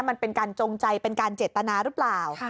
มันเป็นการจงใจเป็นการเจตนาหรือเปล่า